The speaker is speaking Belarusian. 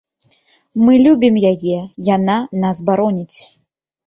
Мы любім яе, яна нас бароніць.